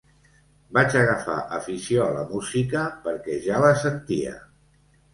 Vaig agafar afició a la música perquè ja la sentia.